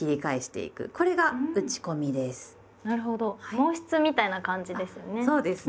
毛筆みたいな感じですね。